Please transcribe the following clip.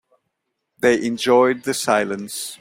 They enjoyed the silence.